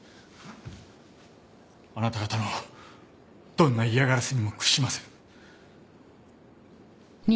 あなた方のどんな嫌がらせにも屈しません。